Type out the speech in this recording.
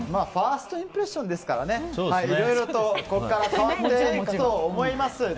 ファーストインプレッションですからねいろいろと、ここから変わっていくと思います。